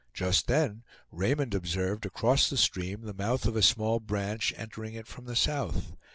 Just then Raymond observed across the stream the mouth of a small branch entering it from the south.